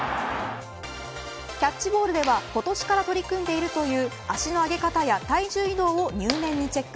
キャッチボールでは今年から取り組んでいるという足の上げ方や体重移動を入念にチェック。